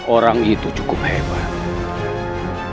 orang itu cukup hebat